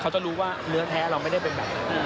จะรู้ว่าเนื้อแท้เราไม่ได้เป็นแบบนั้น